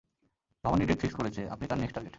Bhabani date fixed করেছে, আপনি তার নেক্সট টার্গেট।